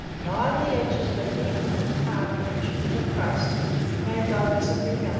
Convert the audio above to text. Line the edges of a deep tart dish with crust made by recipe No.